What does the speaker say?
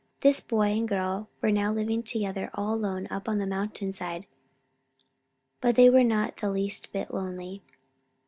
This boy and girl were now living together all alone up on the mountain side, but they were not the least bit lonely.